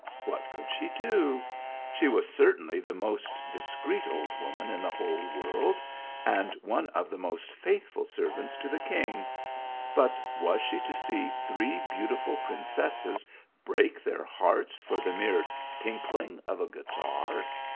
What could she do ? She was certainly the most discreet old woman in the THREE BEAUTIFUL PRINCESSES, 145 whole world, and one of the most faithful servants to the king but was she to see three beautiful prin cesses break their hearts for the mere tinkling of a guitar?